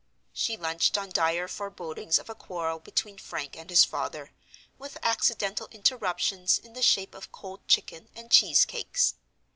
She lunched on dire forebodings of a quarrel between Frank and his father, with accidental interruptions in the shape of cold chicken and cheese cakes.